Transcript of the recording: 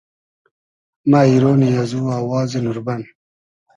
مۂ اݷرۉنی ازو آوازی نوربئن